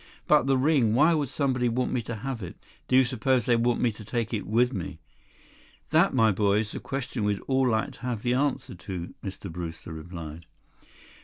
"But the ring—why would someone want me to have it? Do you suppose they want me to take it with me?" "That, my boy, is the question we'd all like to have the answer to," Mr. Brewster replied.